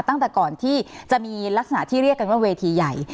ตั้งแต่ก่อนที่จะมีลักษณะที่เรียกกันว่าเวทีใหญ่